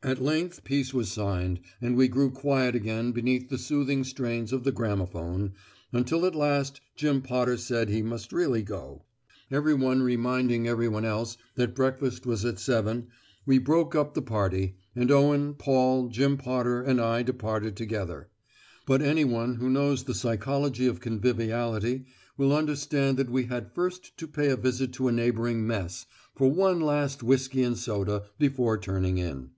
At length peace was signed, and we grew quiet again beneath the soothing strains of the gramophone, until at last Jim Potter said he must really go. Everyone reminding everyone else that breakfast was at seven, we broke up the party, and Owen, Paul, Jim Potter and I departed together. But anyone who knows the psychology of conviviality will understand that we had first to pay a visit to a neighbouring Mess for one last whiskey and soda before turning in.